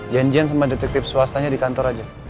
janji sama detektif swasta nya di kantor aja